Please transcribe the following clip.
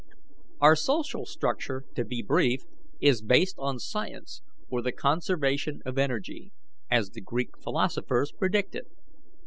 "Our social structure, to be brief, is based on science, or the conservation of energy, as the Greek philosophers predicted.